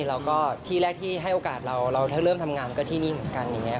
แล้วก็ที่แรกที่ให้โอกาสเราเราเริ่มทำงานก็ที่นี่เหมือนกันอย่างนี้